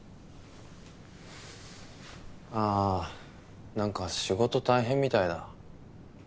あ何か仕事大変みたいだ。